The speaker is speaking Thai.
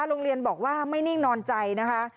โรงเรียนบอกว่าไม่นิ่งนอนใจนะคะ